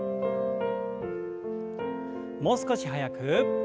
もう少し速く。